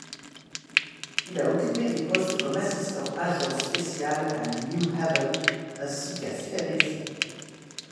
Il a occupé des postes comme assistant-agent spécial à New Haven ainsi qu'à Philadelphie.